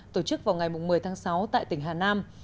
tổ chức vào ngày một mươi tháng sáu tại tỉnh hà nam